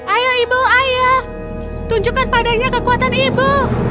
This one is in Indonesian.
ayo ibu ayah tunjukkan padanya kekuatan ibu